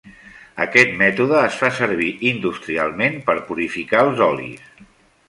Aquest mètode es fa servir industrialment per purificar els olis.